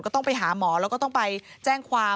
ต้องไปหาหมอแล้วก็ต้องไปแจ้งความ